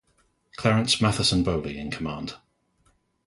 Clarence Matheson Bowley in command.